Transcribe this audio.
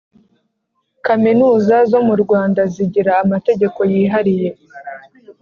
kaminuza zo mu rwanda zigira amategeko yihariye